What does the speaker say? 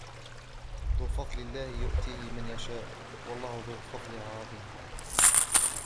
ذلك فضل الله يؤتيه من يشاء والله ذو الفضل العظيم